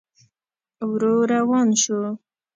ورو روان شو.